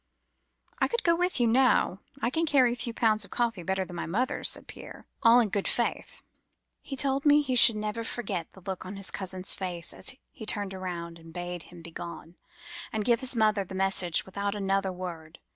"'I could go with you now. I can carry a few pounds of coffee better than my mother,' said Pierre, all in good faith. He told me he should never forget the look on his cousin's face, as he turned round, and bade him begone, and give his mother the message without another word.